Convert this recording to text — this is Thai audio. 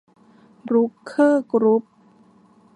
บรุ๊คเคอร์ กรุ๊ป